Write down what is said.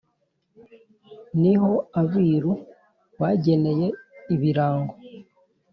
Niho abiru bageneye ibirango